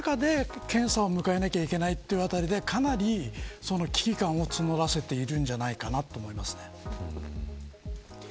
そういう中で検査を迎えなければいけないというあたりでかなり危機感を募らせているんじゃないかなと思います。